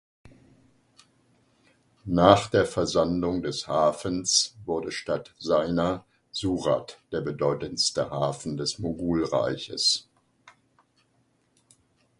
Nach der Versandung des Hafens wurde statt seiner Surat der bedeutendste Hafen des Mogulreiches.